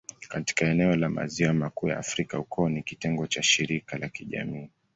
Katika eneo la Maziwa Makuu ya Afrika, ukoo ni kitengo cha shirika la kijamii.